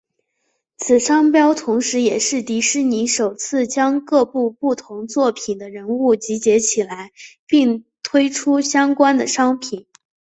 此商标同时也是迪士尼首次将各部不同作品的人物集结起来并推出相关的商品。